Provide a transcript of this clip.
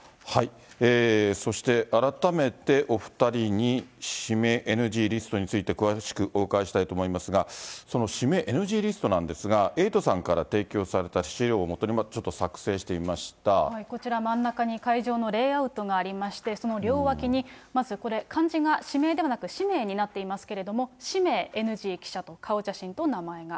そして、改めてお２人に指名ＮＧリストについて詳しくお伺いしたいと思いますが、指名ＮＧリストなんですが、エイトさんから提供された資料を基に、こちら真ん中に、会場のレイアウトがありまして、その両脇にまずこれ、漢字が指名ではなく、氏名になっていますけれども、氏名ＮＧ記者と、顔写真と名前が。